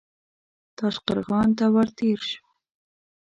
تاشقرغان ته ور تېر شو.